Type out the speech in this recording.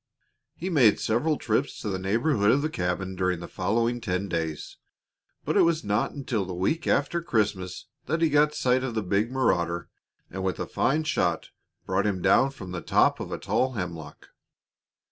He made several trips to the neighborhood of the cabin during the following ten days, but it was not until the week after Christmas that he got sight of the big marauder and with a fine shot brought him down from the top of a tall hemlock.